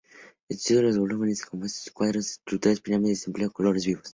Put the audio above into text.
Estudió los volúmenes, compuso sus cuadros en estructuras piramidales y empleó colores vivos.